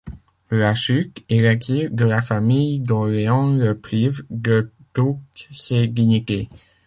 La chute et l'exil de la famille d'Orléans le privent de toutes ses dignités.